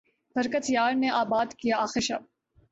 فرقت یار نے آباد کیا آخر شب